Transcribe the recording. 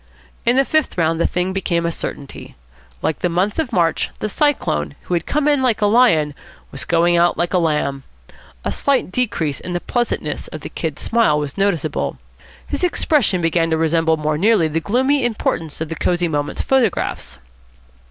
In the fifth round the thing became a certainty. Like the month of March, the Cyclone, who had come in like a lion, was going out like a lamb. A slight decrease in the pleasantness of the Kid's smile was noticeable. His expression began to resemble more nearly the gloomy importance of the Cosy Moments photographs.